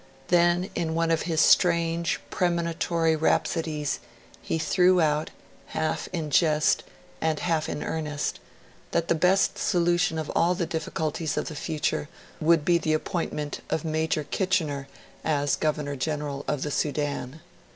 Then in one of his strange premonitory rhapsodies, he threw out, half in jest and half in earnest, that the best solution of all the difficulties of the future would be the appointment of Major Kitchener as Governor General of the Sudan.